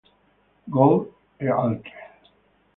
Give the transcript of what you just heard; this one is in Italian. Gold e altre.